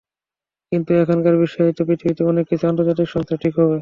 কিন্তু এখনকার বিশ্বায়িত পৃথিবীতে অনেক কিছুই আন্তর্জাতিক সংস্থা ঠিক করে।